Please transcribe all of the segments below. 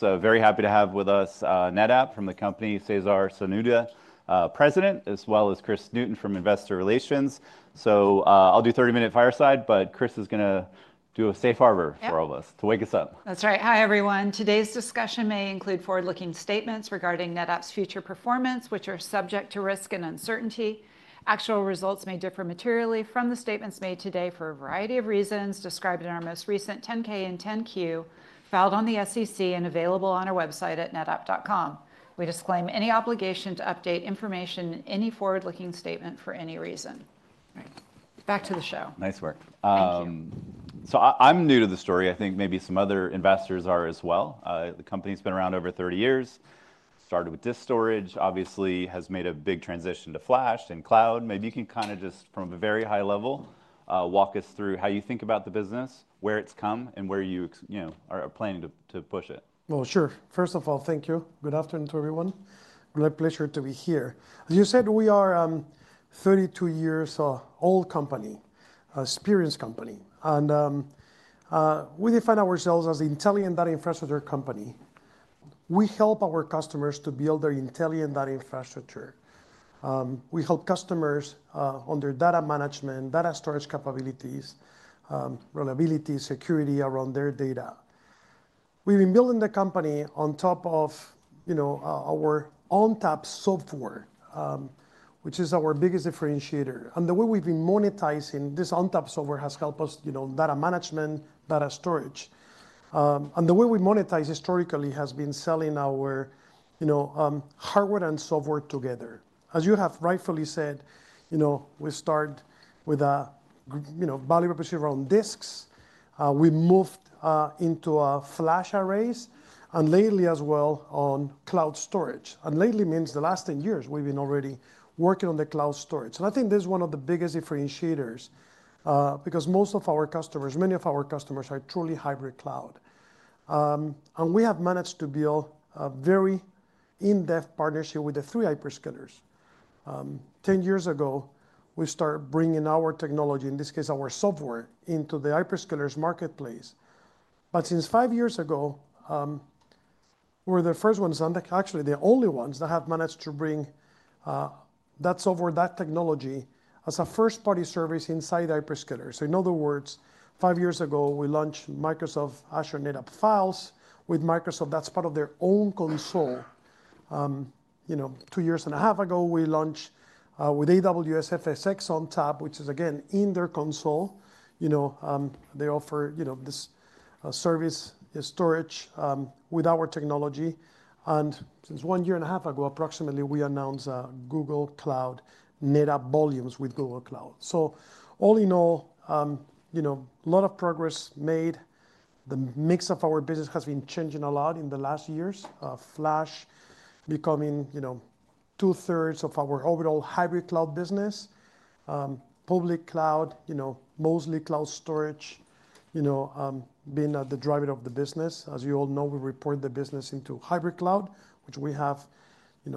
Very happy to have with us NetApp from the company, Cesar Cernuda, President, as well as Kris Newton from Investor Relations. I'll do a 30-minute fireside, but Kris is going to do a safe harbor for all of us to wake us up. That's right. Hi, everyone. Today's discussion may include forward-looking statements regarding NetApp's future performance, which are subject to risk and uncertainty. Actual results may differ materially from the statements made today for a variety of reasons described in our most recent 10-K and 10-Q filed on the SEC and available on our website at netapp.com. We disclaim any obligation to update information in any forward-looking statement for any reason. Back to the show. Nice work. Thank you. I'm new to the story. I think maybe some other investors are as well. The company's been around over 30 years, started with disk storage, obviously has made a big transition to flash and cloud. Maybe you can kind of just, from a very high level, walk us through how you think about the business, where it's come, and where you are planning to push it. First of all, thank you. Good afternoon to everyone. Great pleasure to be here. As you said, we are a 32-year-old company, an experienced company. We define ourselves as an intelligent data infrastructure company. We help our customers to build their intelligent data infrastructure. We help customers on their data management, data storage capabilities, reliability, security around their data. We've been building the company on top of our ONTAP software, which is our biggest differentiator. The way we've been monetizing this ONTAP software has helped us with data management, data storage. The way we monetize historically has been selling our hardware and software together. As you have rightfully said, we start with a value proposition around disks. We moved into flash arrays, and lately as well on cloud storage. Lately means the last 10 years we've been already working on the cloud storage. I think that's one of the biggest differentiators, because most of our customers, many of our customers are truly hybrid cloud. We have managed to build a very in-depth partnership with the three hyperscalers. Ten years ago, we started bringing our technology, in this case our software, into the hyperscalers' marketplace. Since five years ago, we were the first ones, and actually the only ones that have managed to bring that software, that technology as a first-party service inside the hyperscalers. In other words, five years ago we launched Microsoft Azure NetApp Files with Microsoft. That's part of their own console. Two and a half years ago, we launched with AWS FSx ONTAP, which is again in their console. They offer this service storage with our technology. Since one and a half years ago approximately, we announced Google Cloud NetApp Volumes with Google Cloud. All in all, a lot of progress made. The mix of our business has been changing a lot in the last years, flash becoming two-thirds of our overall hybrid cloud business, public cloud, mostly cloud storage being the driver of the business. As you all know, we report the business into hybrid cloud, which we have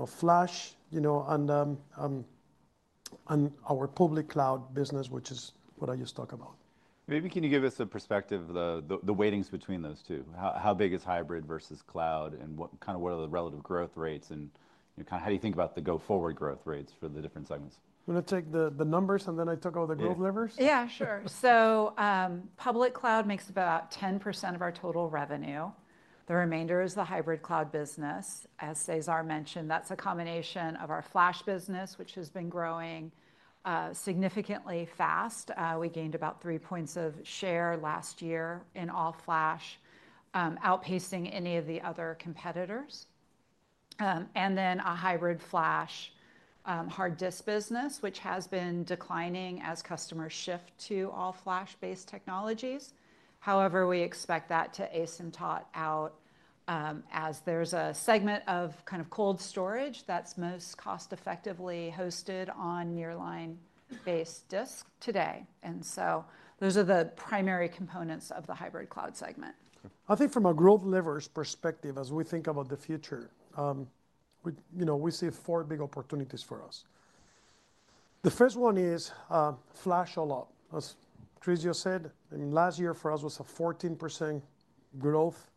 flash, and our public cloud business, which is what I just talked about. Maybe can you give us a perspective of the weightings between those two? How big is hybrid versus cloud, and kind of what are the relative growth rates, and kind of how do you think about the go-forward growth rates for the different segments? I'm going to take the numbers and then I talk about the growth levers. Yeah, sure. Public cloud makes about 10% of our total revenue. The remainder is the hybrid cloud business. As Cèsar mentioned, that's a combination of our flash business, which has been growing significantly fast. We gained about three points of share last year in All-Flash, outpacing any of the other competitors. Then a hybrid flash hard disk business, which has been declining as customers shift to All-Flash-based technologies. However, we expect that to asymptote out as there's a segment of kind of cold storage that's most cost-effectively hosted on nearline-based disks today. Those are the primary components of the hybrid cloud segment. I think from a growth levers perspective, as we think about the future, we see four big opportunities for us. The first one is flash alarm. As Kris just said, last year for us was a 14% growth.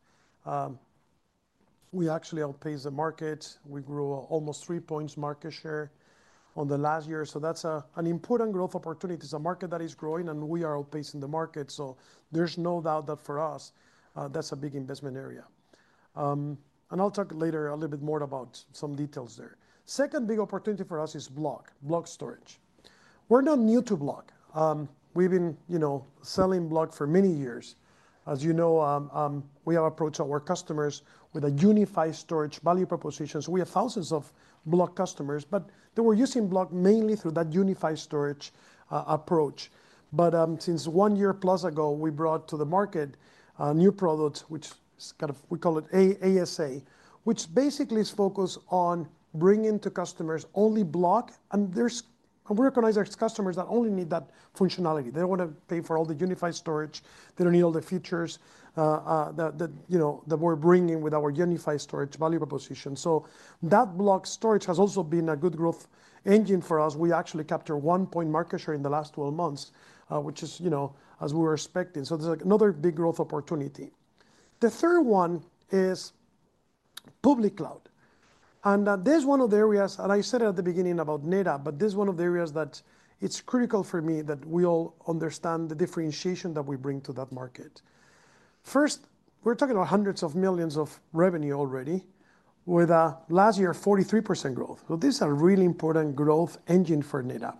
We actually outpaced the market. We grew almost three points market share in the last year. That is an important growth opportunity. It is a market that is growing, and we are outpacing the market. There is no doubt that for us, that is a big investment area. I will talk later a little bit more about some details there. Second big opportunity for us is block, block storage. We are not new to block. We have been selling block for many years. As you know, we have approached our customers with a unified storage value proposition. We have thousands of block customers, but they were using block mainly through that unified storage approach. Since one year plus ago, we brought to the market a new product, which we call it ASA, which basically is focused on bringing to customers only block. We recognize our customers that only need that functionality. They do not want to pay for all the unified storage. They do not need all the features that we are bringing with our unified storage value proposition. That block storage has also been a good growth engine for us. We actually captured one percentage point market share in the last 12 months, which is as we were expecting. There is another big growth opportunity. The third one is public cloud. That is one of the areas, and I said it at the beginning about NetApp, but this is one of the areas that it is critical for me that we all understand the differentiation that we bring to that market. First, we're talking about hundreds of millions of revenue already with last year 43% growth. This is a really important growth engine for NetApp.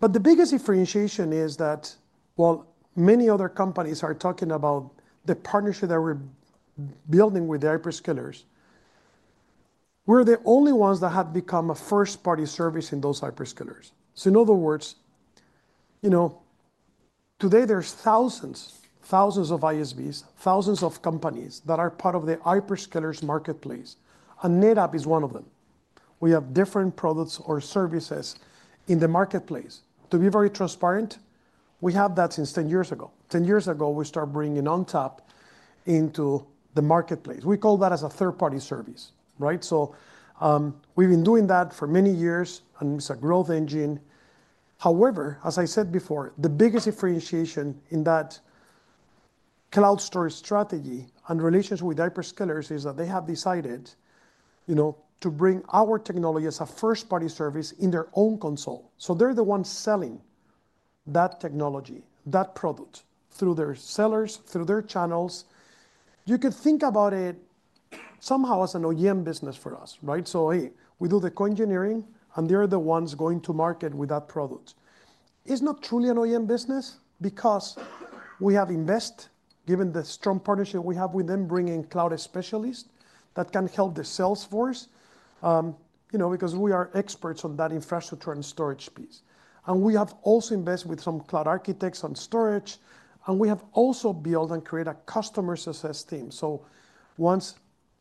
The biggest differentiation is that, while many other companies are talking about the partnership that we're building with the hyperscalers, we're the only ones that have become a first-party service in those hyperscalers. In other words, today there's thousands, thousands of ISVs, thousands of companies that are part of the hyperscalers' marketplace, and NetApp is one of them. We have different products or services in the marketplace. To be very transparent, we have had that since 10 years ago. Ten years ago, we started bringing ONTAP into the marketplace. We call that a third-party service. We've been doing that for many years, and it's a growth engine. However, as I said before, the biggest differentiation in that cloud storage strategy and relations with hyperscalers is that they have decided to bring our technology as a first-party service in their own console. They are the ones selling that technology, that product through their sellers, through their channels. You could think about it somehow as an OEM business for us. We do the co-engineering, and they are the ones going to market with that product. It is not truly an OEM business because we have invested, given the strong partnership we have with them, bringing cloud specialists that can help the salesforce because we are experts on that infrastructure and storage piece. We have also invested with some cloud architects on storage. We have also built and created a customer success team. Once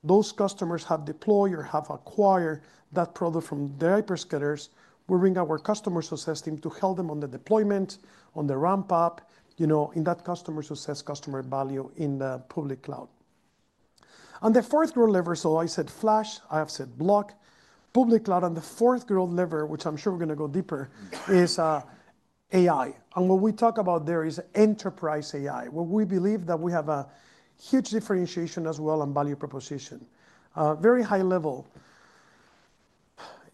those customers have deployed or have acquired that product from the hyperscalers, we bring our customer success team to help them on the deployment, on the ramp-up, in that customer success, customer value in the public cloud. The fourth growth lever, so I said flash, I have said block, public cloud, and the fourth growth lever, which I'm sure we're going to go deeper, is AI. What we talk about there is enterprise AI, where we believe that we have a huge differentiation as well on value proposition. Very high level.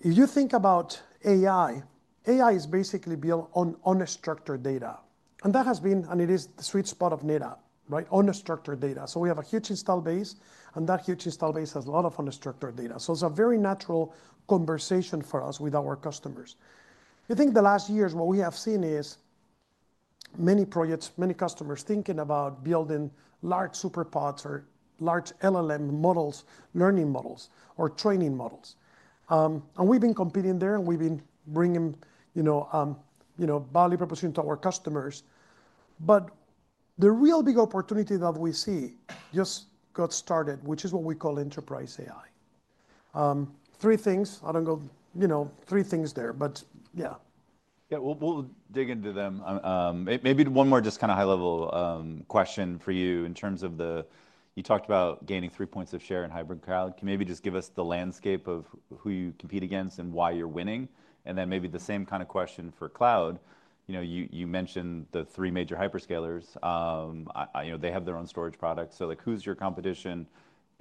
If you think about AI, AI is basically built on unstructured data. That has been, and it is, the sweet spot of NetApp, unstructured data. We have a huge install base, and that huge install base has a lot of unstructured data. It's a very natural conversation for us with our customers. I think the last years what we have seen is many projects, many customers thinking about building large superpods or large LLM models, learning models, or training models. We have been competing there, and we have been bringing value proposition to our customers. The real big opportunity that we see just got started, which is what we call enterprise AI. Three things. I do not go three things there, but yeah. Yeah, we'll dig into them. Maybe one more just kind of high-level question for you in terms of the, you talked about gaining three percentage points of share in hybrid cloud. Can you maybe just give us the landscape of who you compete against and why you're winning? And then maybe the same kind of question for cloud. You mentioned the three major hyperscalers. They have their own storage products. So who's your competition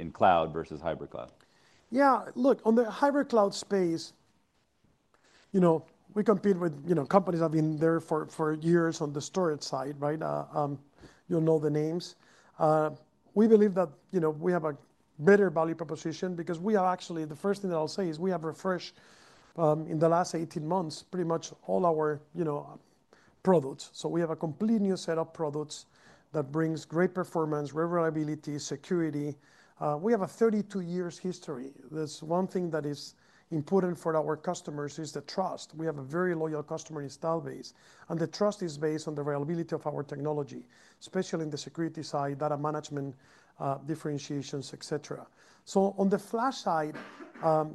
in cloud versus hybrid cloud? Yeah, look, on the hybrid cloud space, we compete with companies that have been there for years on the storage side. You'll know the names. We believe that we have a better value proposition because we have actually the first thing that I'll say is we have refreshed in the last 18 months pretty much all our products. So we have a complete new set of products that brings great performance, reliability, security. We have a 32-year history. That's one thing that is important for our customers is the trust. We have a very loyal customer install base. And the trust is based on the reliability of our technology, especially in the security side, data management, differentiations, et cetera. On the flash side,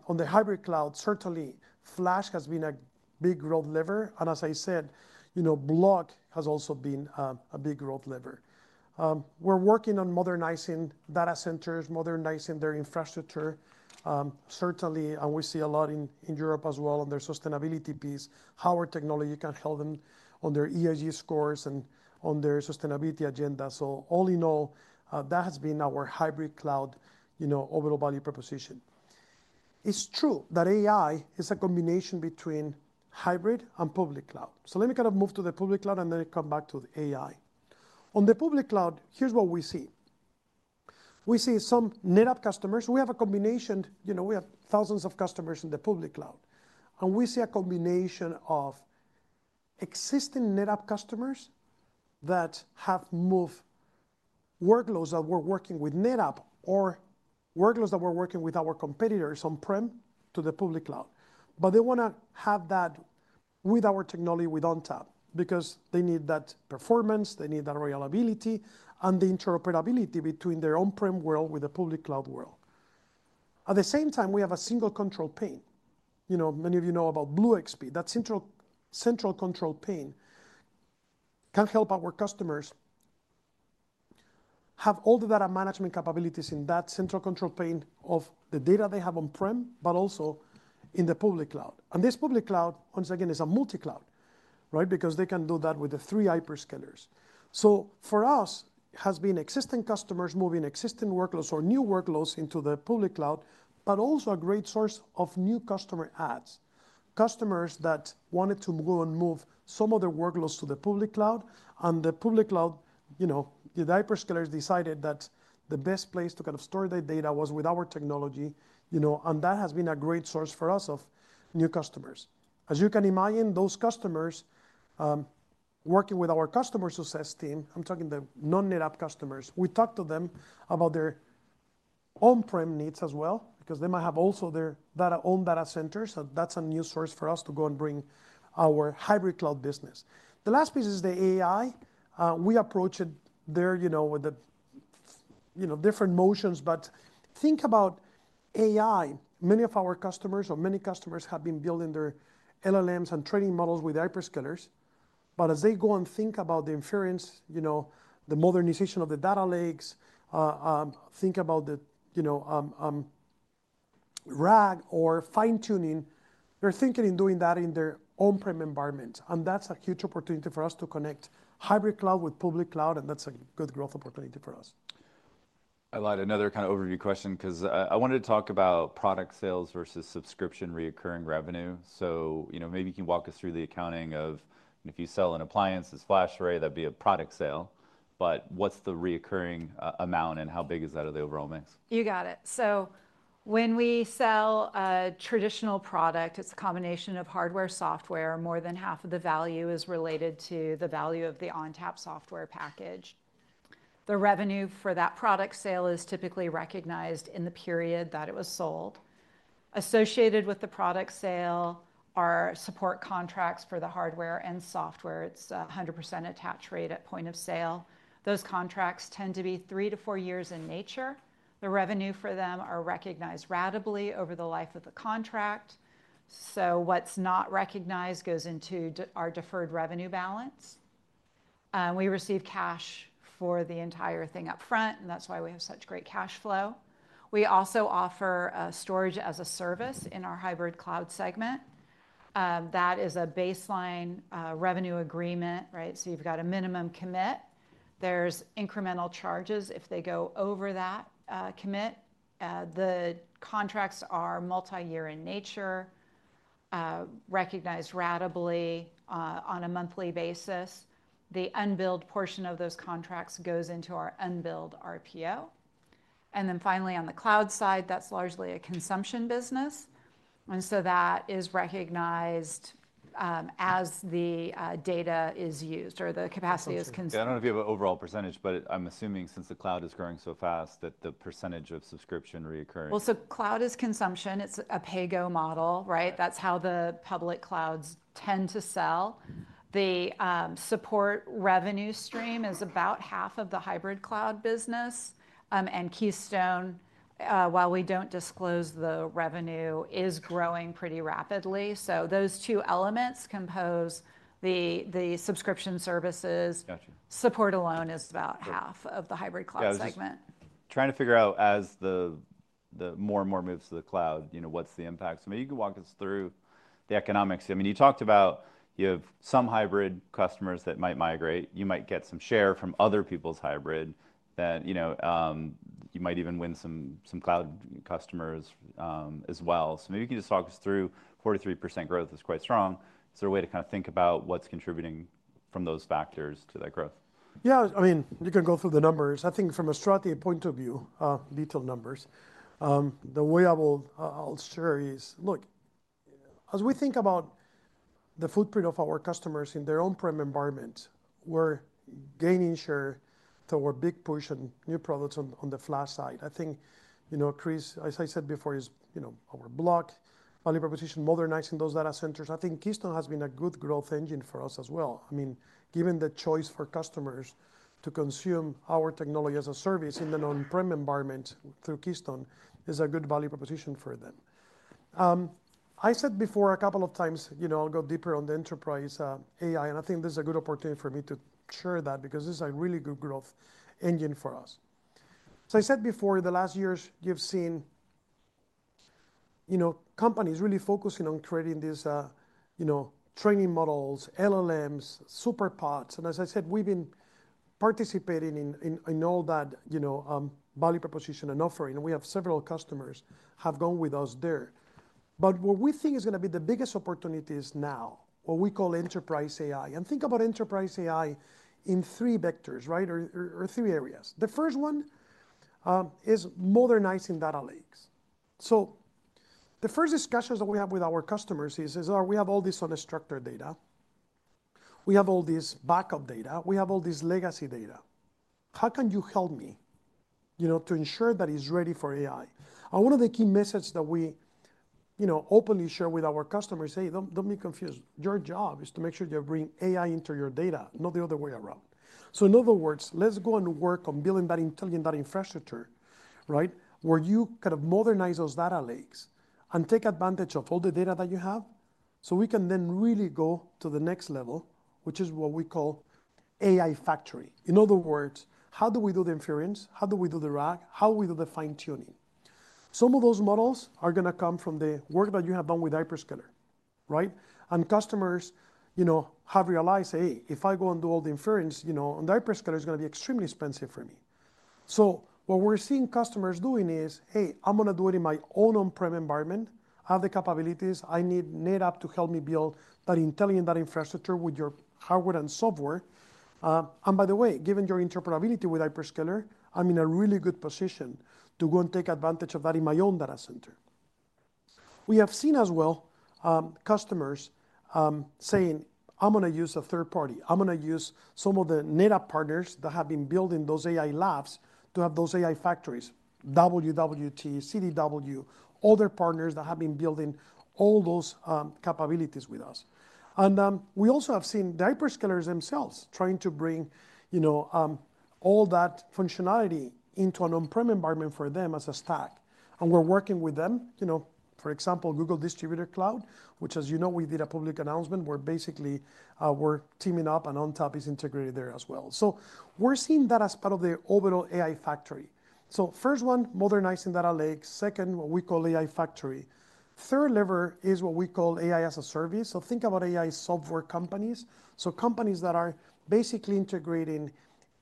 on the hybrid cloud, certainly flash has been a big growth lever. As I said, block has also been a big growth lever. We're working on modernizing data centers, modernizing their infrastructure. Certainly, and we see a lot in Europe as well on their sustainability piece, how our technology can help them on their ESG scores and on their sustainability agenda. All in all, that has been our hybrid cloud overall value proposition. It's true that AI is a combination between hybrid and public cloud. Let me kind of move to the public cloud and then come back to AI. On the public cloud, here's what we see. We see some NetApp customers. We have a combination. We have thousands of customers in the public cloud. We see a combination of existing NetApp customers that have moved workloads that were working with NetApp or workloads that were working with our competitors on-prem to the public cloud. They want to have that with our technology with ONTAP because they need that performance, they need that reliability, and the interoperability between their on-prem world with the public cloud world. At the same time, we have a single control plane. Many of you know about BlueXP. That central control plane can help our customers have all the data management capabilities in that central control plane of the data they have on-prem, but also in the public cloud. This public cloud, once again, is a multi-cloud because they can do that with the three hyperscalers. For us, it has been existing customers moving existing workloads or new workloads into the public cloud, but also a great source of new customer adds. Customers that wanted to go and move some of their workloads to the public cloud. The public cloud, the hyperscalers decided that the best place to kind of store their data was with our technology. That has been a great source for us of new customers. As you can imagine, those customers working with our customer success team, I'm talking the non-NetApp customers, we talked to them about their on-prem needs as well because they might have also their own data centers. That is a new source for us to go and bring our hybrid cloud business. The last piece is the AI. We approach it there with different motions. Think about AI. Many of our customers or many customers have been building their LLMs and training models with hyperscalers. As they go and think about the inference, the modernization of the data lakes, think about the RAG or fine-tuning, they're thinking in doing that in their on-prem environments. That is a huge opportunity for us to connect hybrid cloud with public cloud. That is a good growth opportunity for us. I'd like another kind of overview question because I wanted to talk about product sales versus subscription recurring revenue. So maybe you can walk us through the accounting of if you sell an appliance, it's flash array, that'd be a product sale. But what's the recurring amount and how big is that of the overall mix? You got it. When we sell a traditional product, it's a combination of hardware, software. More than half of the value is related to the value of the on-top software package. The revenue for that product sale is typically recognized in the period that it was sold. Associated with the product sale are support contracts for the hardware and software. It's a 100% attach rate at point of sale. Those contracts tend to be three to four years in nature. The revenue for them is recognized ratably over the life of the contract. What's not recognized goes into our deferred revenue balance. We receive cash for the entire thing upfront, and that's why we have such great cash flow. We also offer storage as a service in our hybrid cloud segment. That is a baseline revenue agreement. You've got a minimum commit. There's incremental charges if they go over that commit. The contracts are multi-year in nature, recognized ratably on a monthly basis. The unbilled portion of those contracts goes into our unbilled RPO. Finally, on the cloud side, that's largely a consumption business. That is recognized as the data is used or the capacity is. I don't know if you have an overall percentage, but I'm assuming since the cloud is growing so fast that the percentage of subscription recurring. Cloud is consumption. It's a pay-go model. That's how the public clouds tend to sell. The support revenue stream is about half of the hybrid cloud business. And Keystone, while we don't disclose the revenue, is growing pretty rapidly. Those two elements compose the subscription services. Support alone is about half of the hybrid cloud segment. Trying to figure out as more and more moves to the cloud, what's the impact. I mean, you talked about you have some hybrid customers that might migrate. You might get some share from other people's hybrid. You might even win some cloud customers as well. Maybe you can just talk us through, 43% growth is quite strong. Is there a way to kind of think about what's contributing from those factors to that growth? Yeah, I mean, you can go through the numbers. I think from a strategy point of view, little numbers. The way I will share is, look, as we think about the footprint of our customers in their on-prem environment, we're gaining share through our big push and new products on the flash side. I think, Kris, as I said before, is our block value proposition, modernizing those data centers. I think Keystone has been a good growth engine for us as well. I mean, given the choice for customers to consume our technology as a service in an on-prem environment through Keystone is a good value proposition for them. I said before a couple of times, I'll go deeper on the enterprise AI. I think this is a good opportunity for me to share that because this is a really good growth engine for us. I said before, in the last years, you've seen companies really focusing on creating these training models, LLMs, SuperPODs. As I said, we've been participating in all that value proposition and offering. We have several customers have gone with us there. What we think is going to be the biggest opportunity is now what we call enterprise AI. Think about enterprise AI in three vectors or three areas. The first one is modernizing data lakes. The first discussions that we have with our customers is, we have all this unstructured data. We have all this backup data. We have all this legacy data. How can you help me to ensure that it's ready for AI? One of the key messages that we openly share with our customers, hey, don't be confused. Your job is to make sure you bring AI into your data, not the other way around. In other words, let's go and work on building that intelligent data infrastructure where you kind of modernize those data lakes and take advantage of all the data that you have. We can then really go to the next level, which is what we call AI factory. In other words, how do we do the inference? How do we do the RAG? How do we do the fine-tuning? Some of those models are going to come from the work that you have done with hyperscaler. Customers have realized, hey, if I go and do all the inference, the hyperscaler is going to be extremely expensive for me. What we're seeing customers doing is, hey, I'm going to do it in my own on-prem environment. I have the capabilities. I need NetApp to help me build that intelligent data infrastructure with your hardware and software. By the way, given your interoperability with hyperscalers, I'm in a really good position to go and take advantage of that in my own data center. We have seen as well customers saying, I'm going to use a third party. I'm going to use some of the NetApp partners that have been building those AI labs to have those AI factories, WWT, CDW, other partners that have been building all those capabilities with us. We also have seen the hyperscalers themselves trying to bring all that functionality into an on-prem environment for them as a stack. We're working with them. For example, Google Distributed Cloud, which, as you know, we did a public announcement where basically we're teaming up and ONTAP is integrated there as well. We're seeing that as part of the overall AI factory. First one, modernizing data lakes. Second, what we call AI factory. Third lever is what we call AI as a service. Think about AI software companies, companies that are basically integrating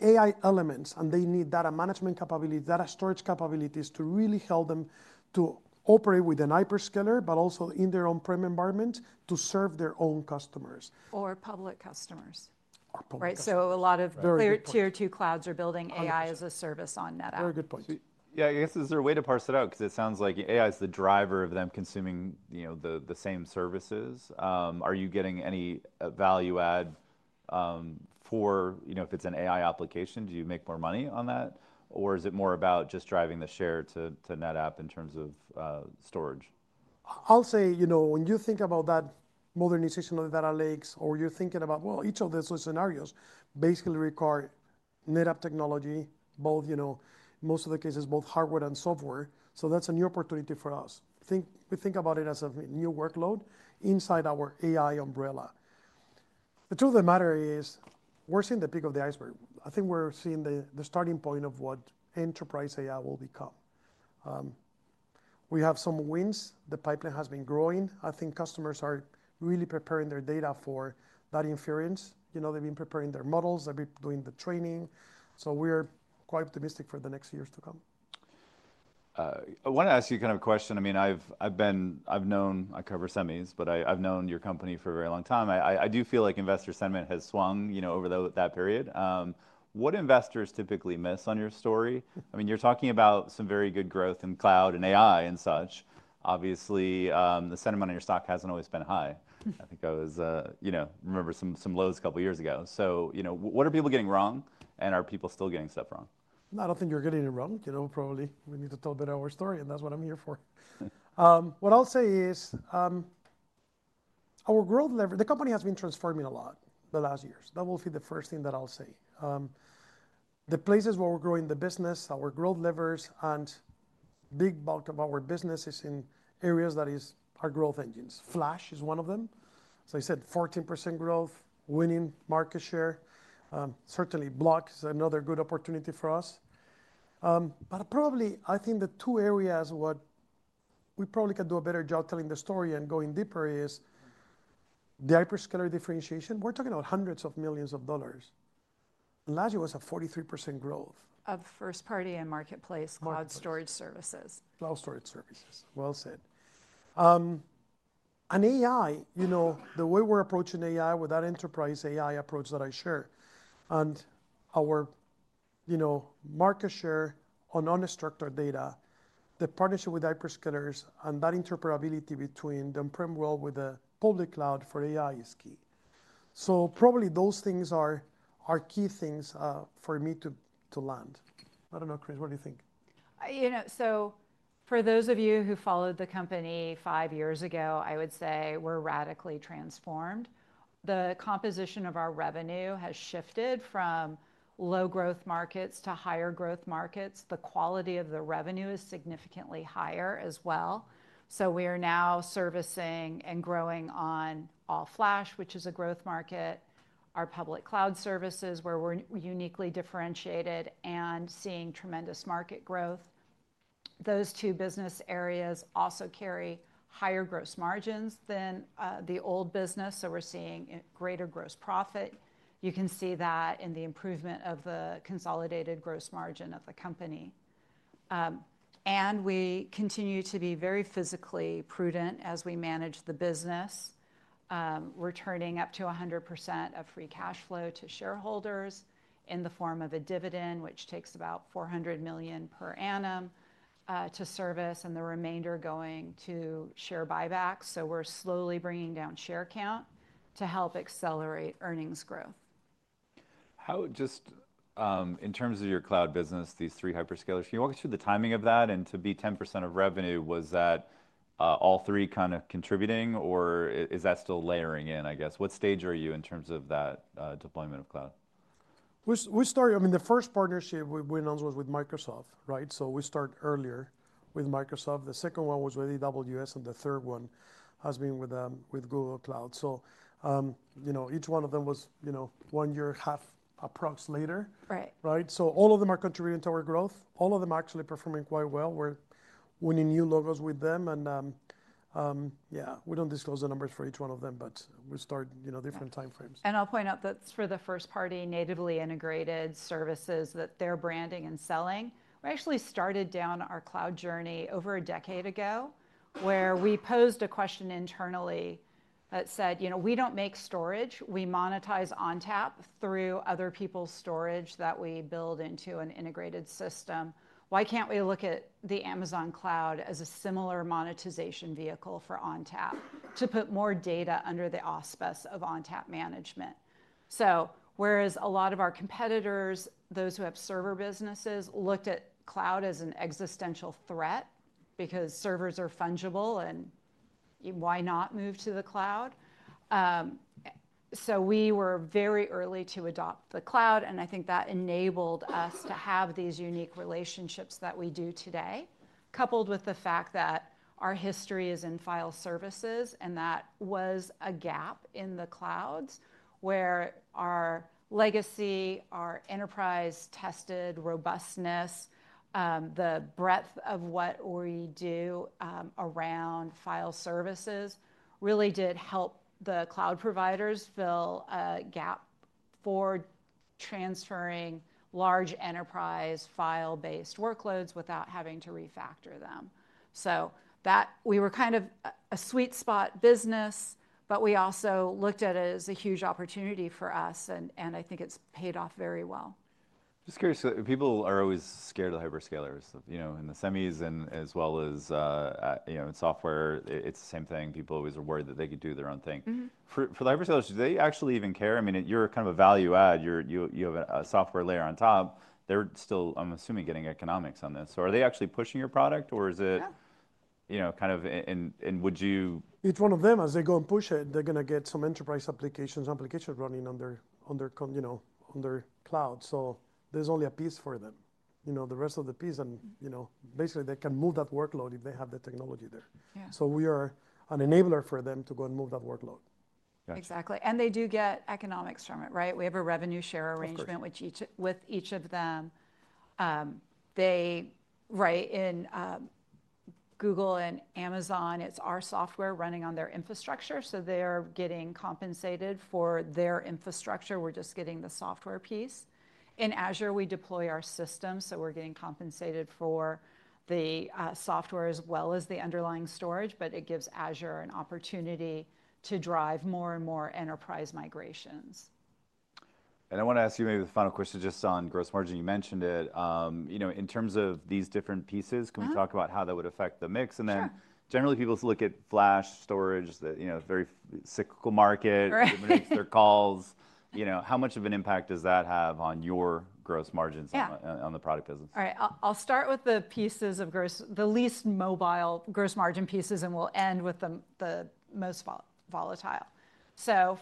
AI elements and they need data management capabilities, data storage capabilities to really help them to operate with a hyperscaler, but also in their on-prem environment to serve their own customers. Or public customers. Or public. A lot of tier two clouds are building AI as a service on NetApp. Very good point. Yeah, I guess is there a way to parse it out? Because it sounds like AI is the driver of them consuming the same services. Are you getting any value add for if it's an AI application, do you make more money on that? Or is it more about just driving the share to NetApp in terms of storage? I'll say when you think about that modernization of the data lakes or you're thinking about, well, each of those scenarios basically require NetApp technology, both, most of the cases, both hardware and software. That is a new opportunity for us. We think about it as a new workload inside our AI umbrella. The truth of the matter is we're seeing the peak of the iceberg. I think we're seeing the starting point of what enterprise AI will become. We have some wins. The pipeline has been growing. I think customers are really preparing their data for that inference. They've been preparing their models. They've been doing the training. We are quite optimistic for the next years to come. I want to ask you kind of a question. I mean, I've known, I cover semis, but I've known your company for a very long time. I do feel like investor sentiment has swung over that period. What investors typically miss on your story? I mean, you're talking about some very good growth in cloud and AI and such. Obviously, the sentiment on your stock hasn't always been high. I think I remember some lows a couple of years ago. What are people getting wrong? Are people still getting stuff wrong? I don't think you're getting it wrong. Probably we need to tell a bit of our story. And that's what I'm here for. What I'll say is our growth lever, the company has been transforming a lot the last years. That will be the first thing that I'll say. The places where we're growing the business, our growth levers, and big bulk of our business is in areas that are growth engines. Flash is one of them. As I said, 14% growth, winning market share. Certainly, block is another good opportunity for us. But probably, I think the two areas what we probably could do a better job telling the story and going deeper is the hyperscaler differentiation. We're talking about hundreds of millions of dollars. And last year was a 43% growth. Of first-party and marketplace cloud storage services. Cloud storage services. AI, the way we're approaching AI with that enterprise AI approach that I share and our market share on unstructured data, the partnership with hyperscalers and that interoperability between the on-prem world with the public cloud for AI is key. Probably those things are key things for me to land. I don't know, Kris, what do you think? For those of you who followed the company five years ago, I would say we're radically transformed. The composition of our revenue has shifted from low-growth markets to higher-growth markets. The quality of the revenue is significantly higher as well. We are now servicing and growing on All-Flash, which is a growth market, our public cloud services where we're uniquely differentiated and seeing tremendous market growth. Those two business areas also carry higher gross margins than the old business. We're seeing greater gross profit. You can see that in the improvement of the consolidated gross margin of the company. We continue to be very fiscally prudent as we manage the business, returning up to 100% of free cash flow to shareholders in the form of a dividend, which takes about $400 million per annum to service and the remainder going to share buybacks. We're slowly bringing down share count to help accelerate earnings growth. Just in terms of your cloud business, these three hyperscalers, can you walk us through the timing of that? To be 10% of revenue, was that all three kind of contributing? Or is that still layering in, I guess? What stage are you in terms of that deployment of cloud? I mean, the first partnership we went on was with Microsoft. We start earlier with Microsoft. The second one was with AWS. The third one has been with Google Cloud. Each one of them was one year, half approx later. All of them are contributing to our growth. All of them are actually performing quite well. We're winning new logos with them. Yeah, we don't disclose the numbers for each one of them, but we start different time frames. I'll point out that's for the first-party natively integrated services that they're branding and selling. We actually started down our cloud journey over a decade ago where we posed a question internally that said, we don't make storage. We monetize ONTAP through other people's storage that we build into an integrated system. Why can't we look at the Amazon cloud as a similar monetization vehicle for ONTAP to put more data under the auspice of ONTAP management? Whereas a lot of our competitors, those who have server businesses, looked at cloud as an existential threat because servers are fungible and why not move to the cloud. We were very early to adopt the cloud. I think that enabled us to have these unique relationships that we do today, coupled with the fact that our history is in file services. That was a gap in the clouds where our legacy, our enterprise tested robustness, the breadth of what we do around file services really did help the cloud providers fill a gap for transferring large enterprise file-based workloads without having to refactor them. We were kind of a sweet spot business, but we also looked at it as a huge opportunity for us. I think it's paid off very well. Just curious, people are always scared of hyperscalers in the semis as well as in software. It's the same thing. People always are worried that they could do their own thing. For the hyperscalers, do they actually even care? I mean, you're kind of a value add. You have a software layer on top. They're still, I'm assuming, getting economics on this. Are they actually pushing your product? Or is it kind of, and would you. Each one of them, as they go and push it, they're going to get some enterprise applications, applications running on their cloud. There's only a piece for them. The rest of the piece, and basically, they can move that workload if they have the technology there. We are an enabler for them to go and move that workload. Exactly. They do get economics from it. We have a revenue share arrangement with each of them. Right in Google and Amazon, it's our software running on their infrastructure. They are getting compensated for their infrastructure. We are just getting the software piece. In Azure, we deploy our system. We are getting compensated for the software as well as the underlying storage. It gives Azure an opportunity to drive more and more enterprise migrations. I want to ask you maybe the final question just on gross margin. You mentioned it. In terms of these different pieces, can we talk about how that would affect the mix? Generally, people look at flash storage, very cyclical market, limited sector calls. How much of an impact does that have on your gross margins on the product business? All right. I'll start with the pieces of the least mobile gross margin pieces and we'll end with the most volatile.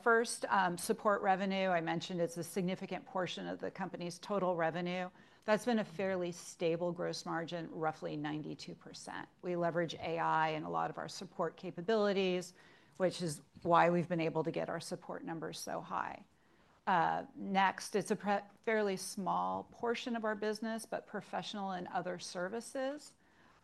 First, support revenue. I mentioned it's a significant portion of the company's total revenue. That's been a fairly stable gross margin, roughly 92%. We leverage AI and a lot of our support capabilities, which is why we've been able to get our support numbers so high. Next, it's a fairly small portion of our business, but professional and other services.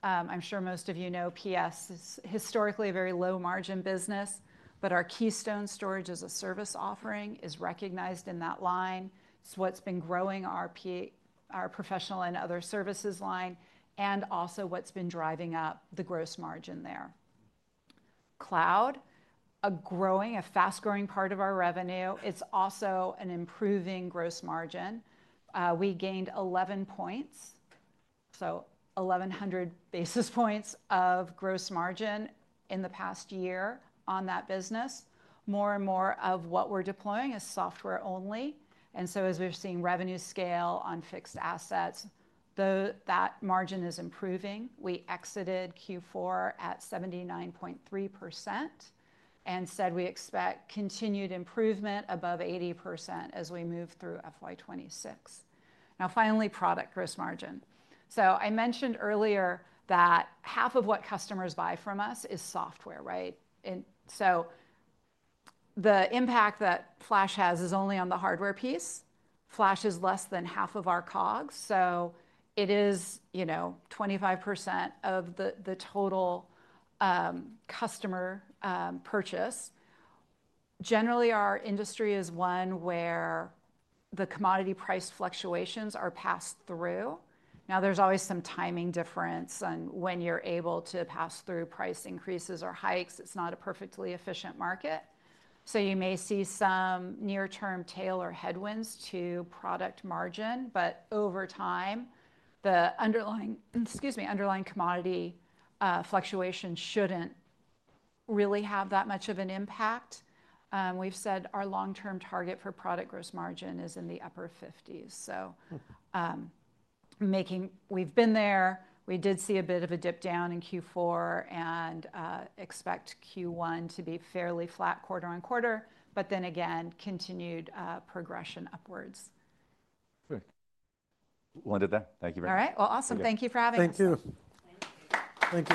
I'm sure most of you know PS is historically a very low-margin business. Our Keystone Storage-as-a-service offering is recognized in that line. It's what's been growing our professional and other services line and also what's been driving up the gross margin there. Cloud, a growing, a fast-growing part of our revenue. It's also an improving gross margin. We gained 11 points, so 1,100 basis points of gross margin in the past year on that business. More and more of what we're deploying is software only. As we're seeing revenue scale on fixed assets, that margin is improving. We exited Q4 at 79.3% and said we expect continued improvement above 80% as we move through FY2026. Now finally, product gross margin. I mentioned earlier that half of what customers buy from us is software. The impact that flash has is only on the hardware piece. Flash is less than half of our COGS. It is 25% of the total customer purchase. Generally, our industry is one where the commodity price fluctuations are passed through. There is always some timing difference. When you're able to pass through price increases or hikes, it's not a perfectly efficient market. You may see some near-term tail or headwinds to product margin. Over time, the underlying commodity fluctuation should not really have that much of an impact. We have said our long-term target for product gross margin is in the upper 50s. We have been there. We did see a bit of a dip down in Q4 and expect Q1 to be fairly flat quarter-on-quarter, but then again, continued progression upwards. Thank you very much. All right. Awesome. Thank you for having us. Thank you. Thank you.